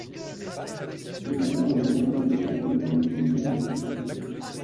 Il n'a pas l'intention de servir un autre mandat.